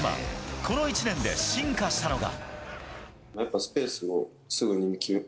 この１年で進化したのが。